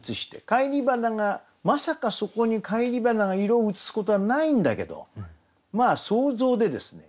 返り花がまさかそこに返り花が色をうつすことはないんだけどまあ想像でですね